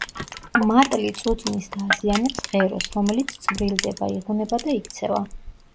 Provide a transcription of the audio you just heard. მატლი წუწნის და აზიანებს ღეროს, რომელიც წვრილდება, იღუნება და იქცევა.